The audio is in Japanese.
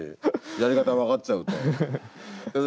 やり方分かっちゃうと。